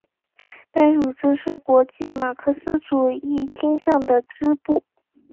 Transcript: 该组织是国际马克思主义倾向的支部。